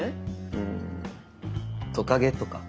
うんトカゲとか？